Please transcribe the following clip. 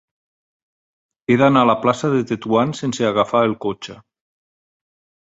He d'anar a la plaça de Tetuan sense agafar el cotxe.